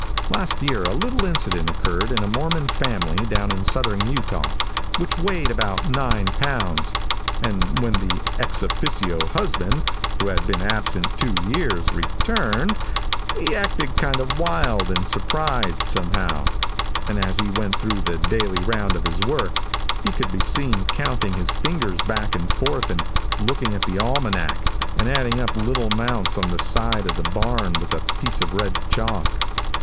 Last year, a little incident occurred in a Mormon family down in southern Utah, which weighed about nine pounds, and when the ex officio husband, who had been absent two years, returned, he acted kind of wild and surprised, somehow, and as he went through the daily round of his work he could be seen counting his fingers back and forth and looking at the almanac, and adding up little amounts on the side of the barn with a piece of red chalk.